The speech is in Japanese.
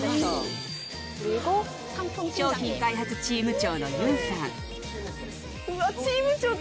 商品開発チーム長のユンさん。